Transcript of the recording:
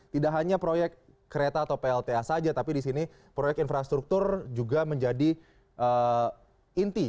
tidak hanya proyek kereta atau plta saja tapi di sini proyek infrastruktur juga menjadi inti